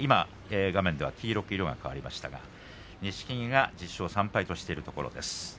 画面では黄色く色が変わりましたが錦木が１０勝３敗としています。